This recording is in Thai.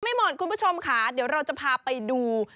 ไม่หมดคุณผู้ชมค่ะเดี๋ยวเราจะพาไปดู